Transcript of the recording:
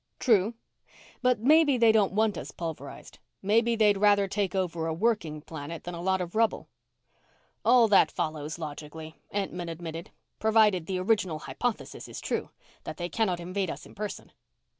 "True, but maybe they don't want us pulverized; maybe they'd rather take over a working planet than a lot of rubble." "All that follows logically," Entman admitted, "provided the original hypothesis is true that they cannot invade us in person."